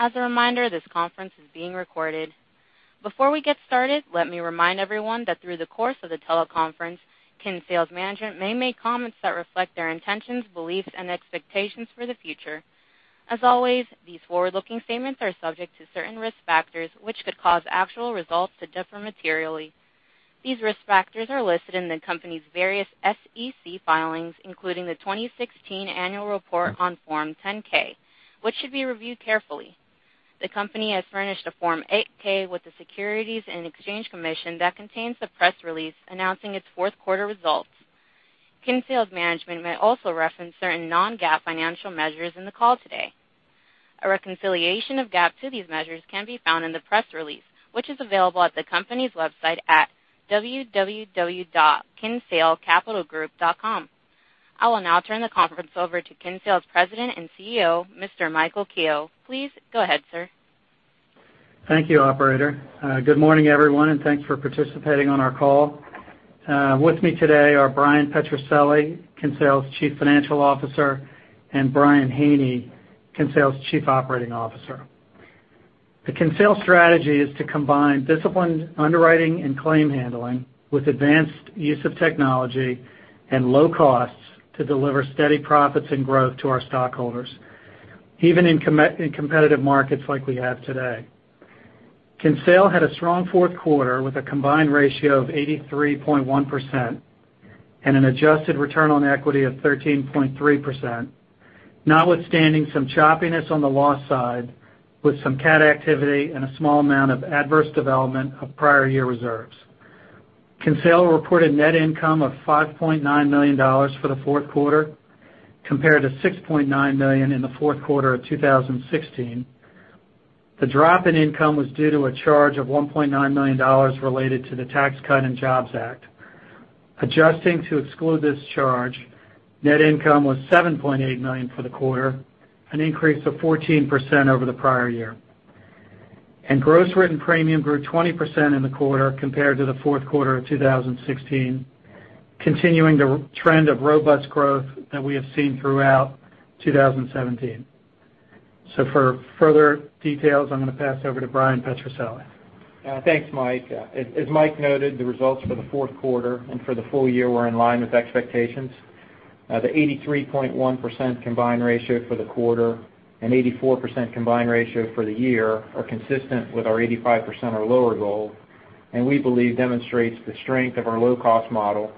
As a reminder, this conference is being recorded. Before we get started, let me remind everyone that through the course of the teleconference, Kinsale's management may make comments that reflect their intentions, beliefs, and expectations for the future. As always, these forward-looking statements are subject to certain risk factors, which could cause actual results to differ materially. These risk factors are listed in the company's various SEC filings, including the 2016 annual report on Form 10-K, which should be reviewed carefully. The company has furnished a Form 8-K with the Securities and Exchange Commission that contains the press release announcing its fourth quarter results. Kinsale's management may also reference certain non-GAAP financial measures in the call today. A reconciliation of GAAP to these measures can be found in the press release, which is available at the company's website at www.kinsalecapitalgroup.com. I will now turn the conference over to Kinsale's President and CEO, Mr. Michael Kehoe. Please go ahead, sir. Thank you, operator. Good morning, everyone, and thanks for participating on our call. With me today are Bryan Petrucelli, Kinsale's Chief Financial Officer, and Brian Haney, Kinsale's Chief Operating Officer. The Kinsale strategy is to combine disciplined underwriting and claim handling with advanced use of technology and low costs to deliver steady profits and growth to our stockholders, even in competitive markets like we have today. Kinsale had a strong fourth quarter with a combined ratio of 83.1% and an adjusted return on equity of 13.3%, notwithstanding some choppiness on the loss side with some cat activity and a small amount of adverse development of prior year reserves. Kinsale reported net income of $5.9 million for the fourth quarter, compared to $6.9 million in the fourth quarter of 2016. The drop in income was due to a charge of $1.9 million related to the Tax Cuts and Jobs Act. Adjusting to exclude this charge, net income was $7.8 million for the quarter, an increase of 14% over the prior year. Gross written premium grew 20% in the quarter compared to the fourth quarter of 2016, continuing the trend of robust growth that we have seen throughout 2017. For further details, I'm going to pass over to Bryan Petrucelli. Thanks, Mike. As Mike noted, the results for the fourth quarter and for the full year were in line with expectations. The 83.1% combined ratio for the quarter and 84% combined ratio for the year are consistent with our 85% or lower goal, and we believe demonstrates the strength of our low-cost model,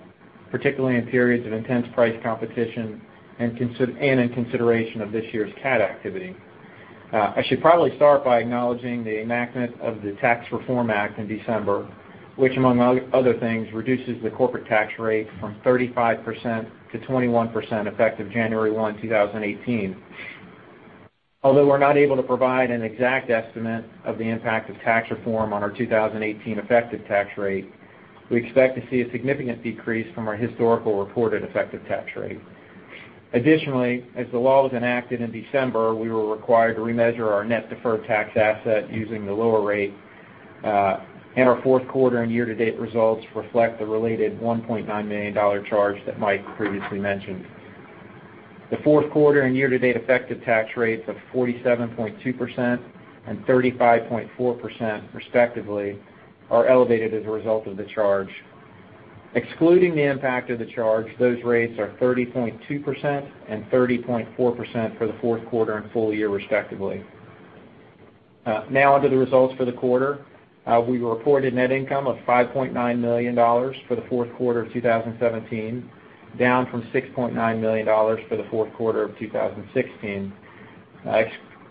particularly in periods of intense price competition and in consideration of this year's cat activity. I should probably start by acknowledging the enactment of the Tax Reform Act in December, which among other things, reduces the corporate tax rate from 35% to 21%, effective January 1, 2018. Although we're not able to provide an exact estimate of the impact of tax reform on our 2018 effective tax rate, we expect to see a significant decrease from our historical reported effective tax rate. As the law was enacted in December, we were required to remeasure our net deferred tax asset using the lower rate, and our fourth quarter and year-to-date results reflect the related $1.9 million charge that Mike previously mentioned. The fourth quarter and year-to-date effective tax rates of 47.2% and 35.4%, respectively, are elevated as a result of the charge. Excluding the impact of the charge, those rates are 30.2% and 30.4% for the fourth quarter and full year, respectively. Onto the results for the quarter. We reported net income of $5.9 million for the fourth quarter of 2017, down from $6.9 million for the fourth quarter of 2016.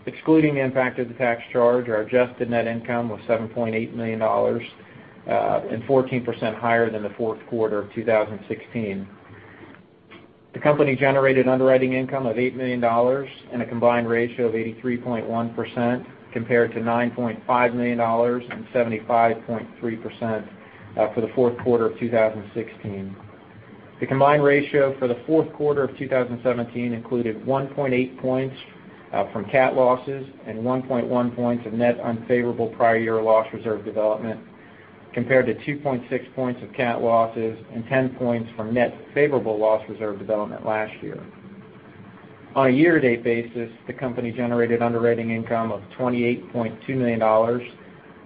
Excluding the impact of the tax charge, our adjusted net income was $7.8 million and 14% higher than the fourth quarter of 2016. The company generated underwriting income of $8 million and a combined ratio of 83.1%, compared to $9.5 million and 75.3% for the fourth quarter of 2016. The combined ratio for the fourth quarter of 2017 included 1.8 points from cat losses and 1.1 points of net unfavorable prior year loss reserve development, compared to 2.6 points of cat losses and 10 points from net favorable loss reserve development last year. A year-to-date basis, the company generated underwriting income of $28.2 million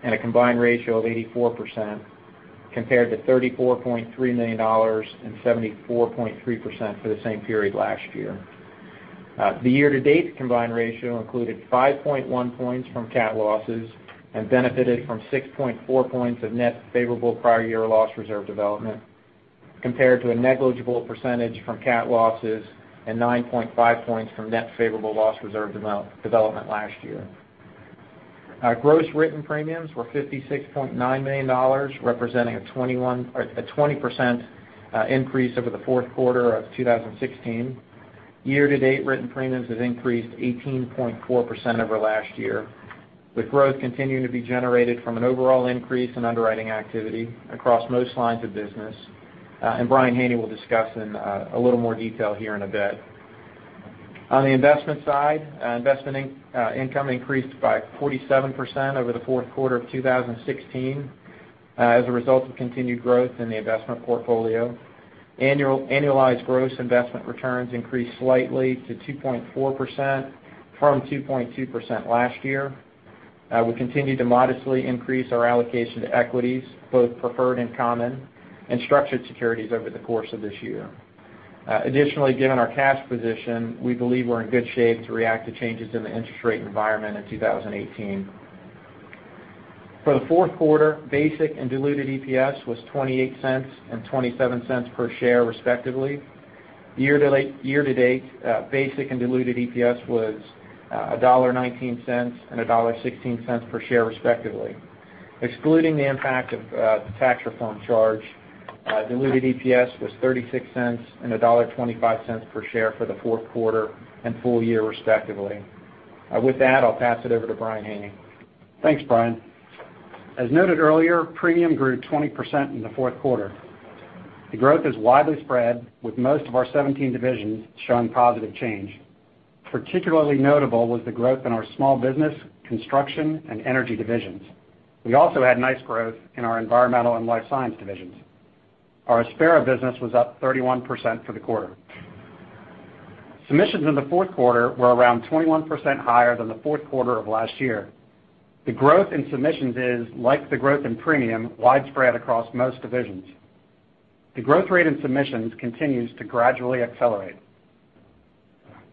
and a combined ratio of 84%, compared to $34.3 million and 74.3% for the same period last year. The year-to-date combined ratio included 5.1 points from cat losses and benefited from 6.4 points of net favorable prior year loss reserve development, compared to a negligible percentage from cat losses and 9.5 points from net favorable loss reserve development last year. Our gross written premiums were $56.9 million, representing a 20% increase over the fourth quarter of 2016. Year-to-date written premiums have increased 18.4% over last year, with growth continuing to be generated from an overall increase in underwriting activity across most lines of business, Brian Haney will discuss in a little more detail here in a bit. The investment side, investment income increased by 47% over the fourth quarter of 2016. As a result of continued growth in the investment portfolio, annualized gross investment returns increased slightly to 2.4% from 2.2% last year. We continued to modestly increase our allocation to equities, both preferred and common, and structured securities over the course of this year. Given our cash position, we believe we're in good shape to react to changes in the interest rate environment in 2018. For the fourth quarter, basic and diluted EPS was $0.28 and $0.27 per share, respectively. Year-to-date, basic and diluted EPS was $1.19 and $1.16 per share, respectively. Excluding the impact of the tax reform charge, diluted EPS was $0.36 and $1.25 per share for the fourth quarter and full year, respectively. With that, I'll pass it over to Brian Haney. Thanks, Bryan. As noted earlier, premium grew 20% in the fourth quarter. The growth is widely spread, with most of our 17 divisions showing positive change. Particularly notable was the growth in our Small Business, Construction, and Energy divisions. We also had nice growth in our Environmental and Life Sciences divisions. Our Aspera business was up 31% for the quarter. Submissions in the fourth quarter were around 21% higher than the fourth quarter of last year. The growth in submissions is, like the growth in premium, widespread across most divisions. The growth rate in submissions continues to gradually accelerate.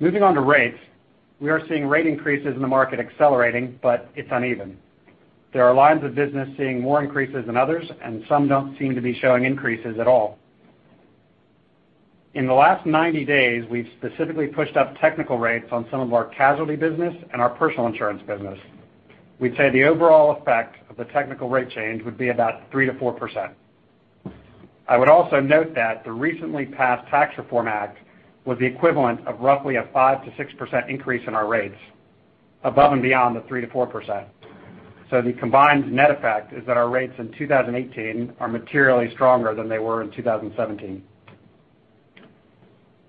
Moving on to rates, we are seeing rate increases in the market accelerating, but it's uneven. There are lines of business seeing more increases than others, and some don't seem to be showing increases at all. In the last 90 days, we've specifically pushed up technical rates on some of our casualty business and our personal lines insurance business. We'd say the overall effect of the technical rate change would be about 3%-4%. I would also note that the recently passed Tax Cuts and Jobs Act was the equivalent of roughly a 5%-6% increase in our rates, above and beyond the 3%-4%. The combined net effect is that our rates in 2018 are materially stronger than they were in 2017.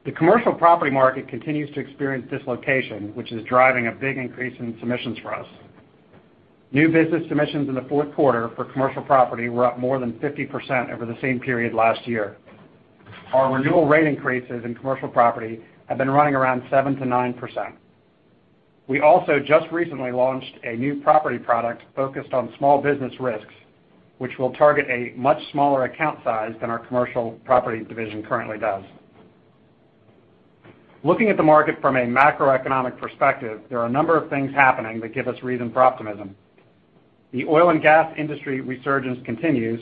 The commercial property market continues to experience dislocation, which is driving a big increase in submissions for us. New business submissions in the fourth quarter for commercial property were up more than 50% over the same period last year. Our renewal rate increases in commercial property have been running around 7%-9%. We also just recently launched a new property product focused on small business risks, which will target a much smaller account size than our Commercial Property division currently does. Looking at the market from a macroeconomic perspective, there are a number of things happening that give us reason for optimism. The oil and gas industry resurgence continues,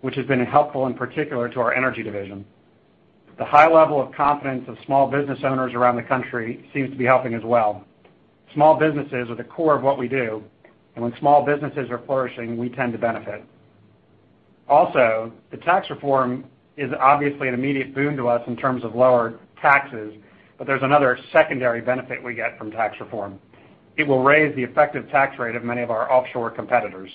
which has been helpful, in particular to our Energy division. The high level of confidence of small business owners around the country seems to be helping as well. Small businesses are the core of what we do, and when small businesses are flourishing, we tend to benefit. The tax reform is obviously an immediate boon to us in terms of lower taxes, but there's another secondary benefit we get from tax reform. It will raise the effective tax rate of many of our offshore competitors.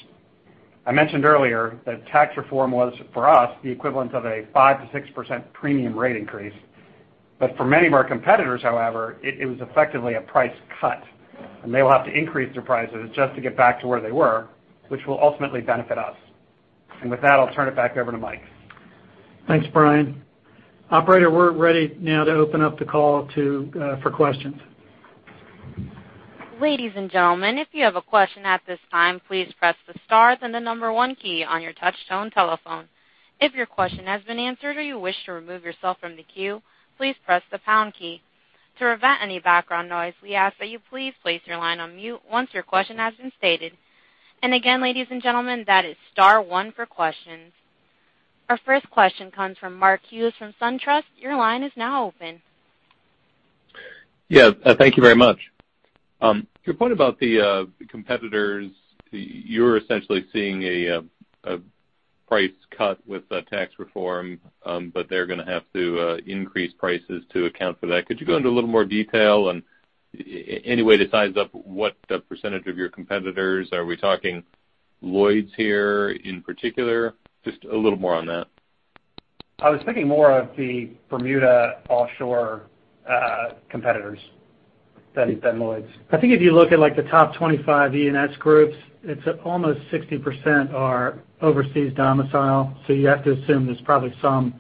I mentioned earlier that tax reform was, for us, the equivalent of a 5%-6% premium rate increase. For many of our competitors, however, it was effectively a price cut, and they will have to increase their prices just to get back to where they were, which will ultimately benefit us. With that, I'll turn it back over to Mike. Thanks, Brian. Operator, we're ready now to open up the call for questions. Ladies and gentlemen, if you have a question at this time, please press the star then the number 1 key on your touch tone telephone. If your question has been answered or you wish to remove yourself from the queue, please press the pound key. To prevent any background noise, we ask that you please place your line on mute once your question has been stated. Again, ladies and gentlemen, that is star 1 for questions. Our first question comes from Mark Hughes from SunTrust. Your line is now open. Yeah. Thank you very much. Your point about the competitors, you're essentially seeing a price cut with the tax reform, they're going to have to increase prices to account for that. Could you go into a little more detail and any way to size up what the percentage of your competitors? Are we talking Lloyd's here in particular? Just a little more on that. I was thinking more of the Bermuda offshore competitors than Lloyd's. I think if you look at the top 25 E&S groups, it's almost 60% are overseas domicile. You have to assume there's probably some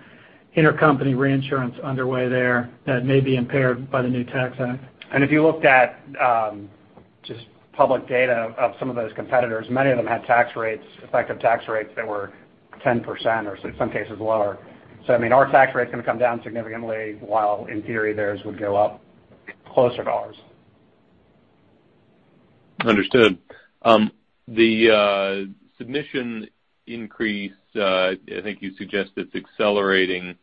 intercompany reinsurance underway there that may be impaired by the new tax act. If you looked at just public data of some of those competitors, many of them had effective tax rates that were 10% or in some cases lower. I mean, our tax rate's going to come down significantly while in theory theirs would go up closer to ours. Understood. The submission increase, I think you suggest it's accelerating.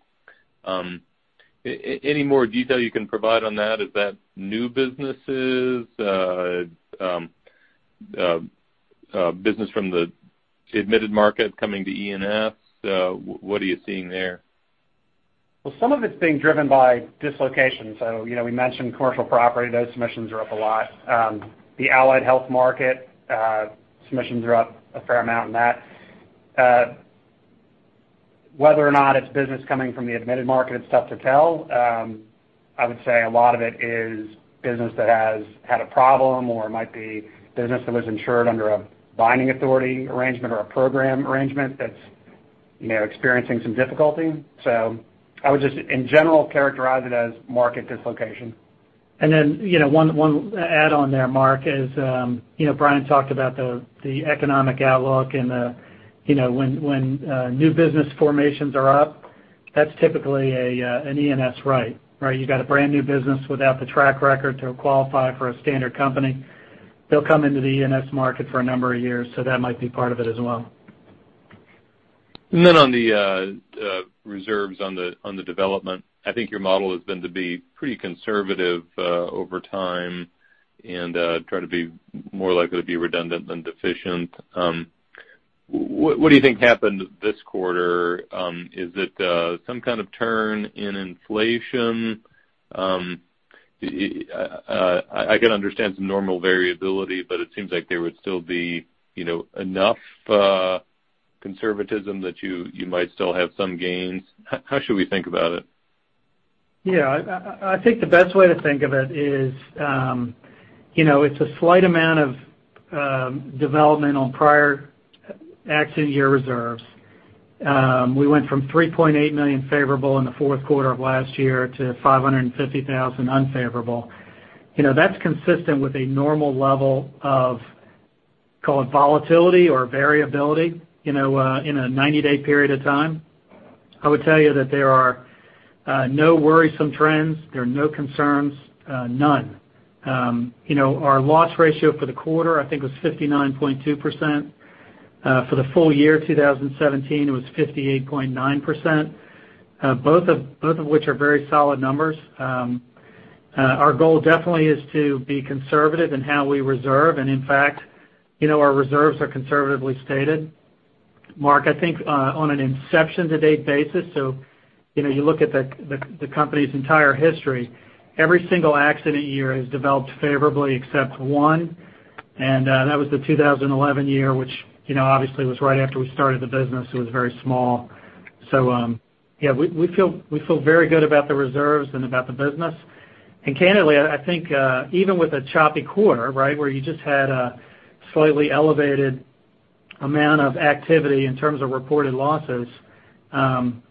Any more detail you can provide on that? Is that new businesses, business from the admitted market coming to E&S? What are you seeing there? Well, some of it's being driven by dislocation. We mentioned commercial property. Those submissions are up a lot. The allied health market, submissions are up a fair amount in that. Whether or not it's business coming from the admitted market, it's tough to tell. I would say a lot of it is business that has had a problem, or it might be business that was insured under a binding authority arrangement or a program arrangement that's experiencing some difficulty. I would just in general characterize it as market dislocation. One add on there, Mark, is Brian talked about the economic outlook and when new business formations are up, that's typically an E&S right. You got a brand new business without the track record to qualify for a standard company. They'll come into the E&S market for a number of years, that might be part of it as well. On the reserves on the development, I think your model has been to be pretty conservative over time and try to be more likely to be redundant than deficient. What do you think happened this quarter? Is it some kind of turn in inflation? I can understand some normal variability, but it seems like there would still be enough conservatism that you might still have some gains. How should we think about it? Yeah, I think the best way to think of it is, it's a slight amount of development on prior accident year reserves. We went from $3.8 million favorable in the fourth quarter of last year to $550,000 unfavorable. That's consistent with a normal level of, call it volatility or variability, in a 90-day period of time. I would tell you that there are no worrisome trends. There are no concerns. None. Our loss ratio for the quarter, I think, was 59.2%. For the full year 2017, it was 58.9%, both of which are very solid numbers. Our goal definitely is to be conservative in how we reserve, and in fact, our reserves are conservatively stated. Mark, I think on an inception to date basis, you look at the company's entire history, every single accident year has developed favorably except one, and that was the 2011 year, which obviously was right after we started the business. It was very small. Yeah, we feel very good about the reserves and about the business. Candidly, I think even with a choppy quarter, where you just had a slightly elevated amount of activity in terms of reported losses,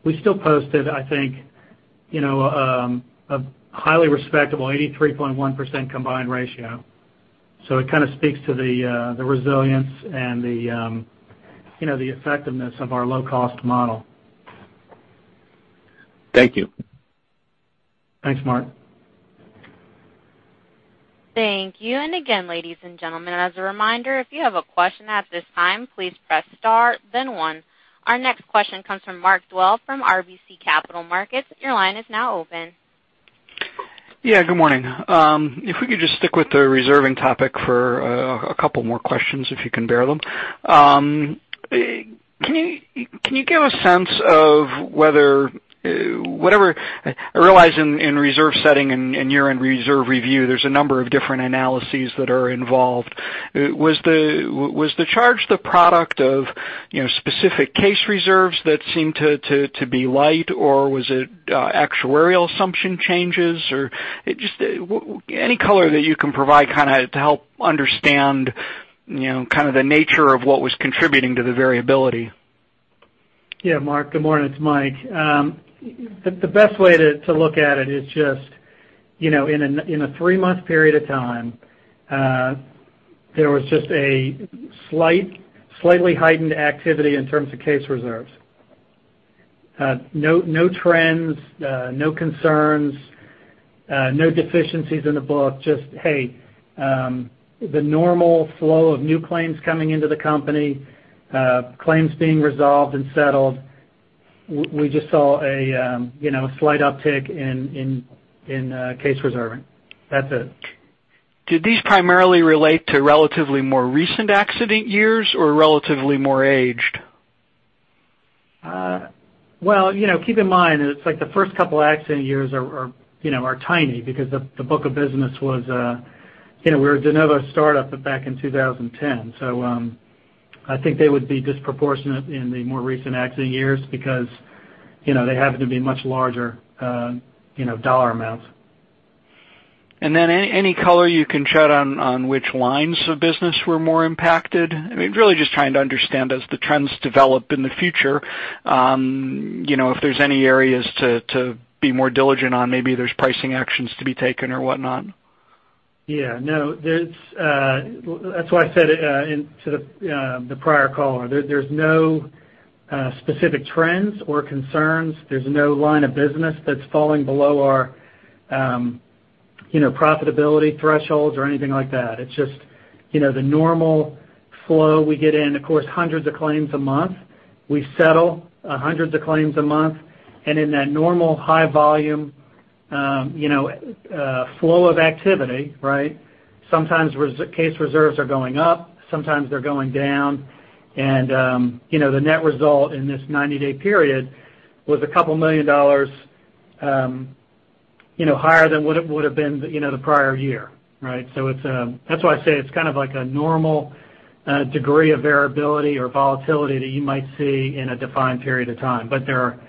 we still posted, I think, a highly respectable 83.1% combined ratio. It kind of speaks to the resilience and the effectiveness of our low-cost model. Thank you. Thanks, Mark. Thank you. Again, ladies and gentlemen, as a reminder, if you have a question at this time, please press star then one. Our next question comes from Mark Dwelle from RBC Capital Markets. Your line is now open. Yeah, good morning. If we could just stick with the reserving topic for a couple more questions, if you can bear with them. Can you give a sense of whether I realize in reserve setting and you're in reserve review, there's a number of different analyses that are involved. Was the charge the product of specific case reserves that seemed to be light, or was it actuarial assumption changes? Just any color that you can provide to help understand the nature of what was contributing to the variability. Yeah, Mark, good morning. It's Mike. The best way to look at it is just in a three-month period of time, there was just a slightly heightened activity in terms of case reserves. No trends, no concerns, no deficiencies in the book, just, hey, the normal flow of new claims coming into the company, claims being resolved and settled. We just saw a slight uptick in case reserving. That's it. Do these primarily relate to relatively more recent accident years or relatively more aged? Well, keep in mind, it's like the first couple of accident years are tiny because we were a de novo startup back in 2010. I think they would be disproportionate in the more recent accident years because they happen to be much larger dollar amounts. Any color you can shed on which lines of business were more impacted? I mean, really just trying to understand as the trends develop in the future, if there's any areas to be more diligent on, maybe there's pricing actions to be taken or whatnot. Yeah. No. That's why I said it to the prior caller. There's no specific trends or concerns. There's no line of business that's falling below our profitability thresholds or anything like that. It's just the normal flow we get in. Of course, hundreds of claims a month. We settle hundreds of claims a month, and in that normal high volume flow of activity, sometimes case reserves are going up, sometimes they're going down, and the net result in this 90-day period was a couple million dollars higher than what it would've been the prior year, right? That's why I say it's kind of like a normal degree of variability or volatility that you might see in a defined period of time. There are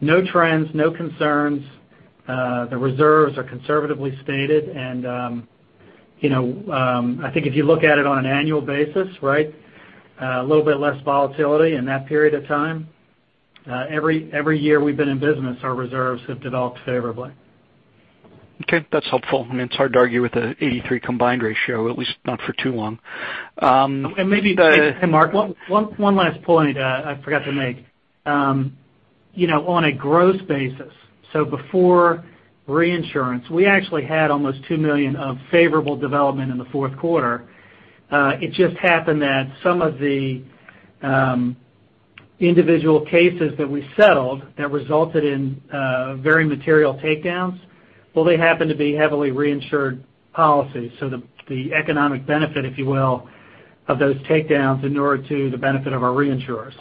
no trends, no concerns. The reserves are conservatively stated. I think if you look at it on an annual basis, right, a little bit less volatility in that period of time. Every year we've been in business, our reserves have developed favorably. Okay. That's helpful. I mean, it's hard to argue with a 83 combined ratio, at least not for too long. Maybe- The- Hey, Mark, one last point I forgot to make. On a gross basis, so before reinsurance, we actually had almost $2 million of favorable development in the fourth quarter. It just happened that some of the individual cases that we settled that resulted in very material takedowns, well, they happened to be heavily reinsured policies. The economic benefit, if you will, of those takedowns inure to the benefit of our reinsurers.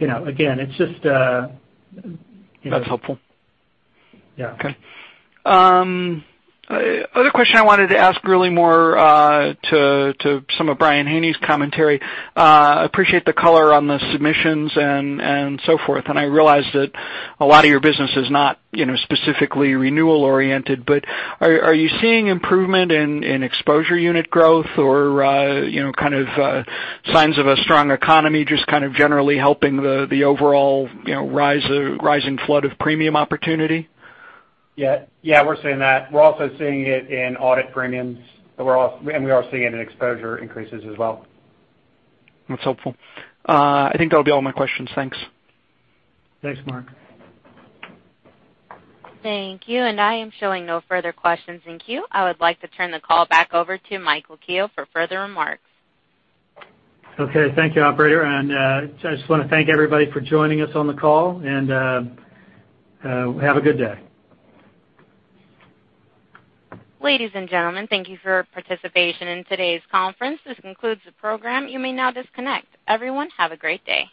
Again, it's just- That's helpful. Yeah. Okay. Other question I wanted to ask really more to some of Brian Haney's commentary. Appreciate the color on the submissions and so forth. I realize that a lot of your business is not specifically renewal oriented, but are you seeing improvement in exposure unit growth or kind of signs of a strong economy just kind of generally helping the overall rising flood of premium opportunity? Yeah. We're seeing that. We're also seeing it in audit premiums, we are seeing it in exposure increases as well. That's helpful. I think that'll be all my questions. Thanks. Thanks, Mark. Thank you. I am showing no further questions in queue. I would like to turn the call back over to Michael Kehoe for further remarks. Okay. Thank you, operator. I just want to thank everybody for joining us on the call, and have a good day. Ladies and gentlemen, thank you for participation in today's conference. This concludes the program. You may now disconnect. Everyone, have a great day.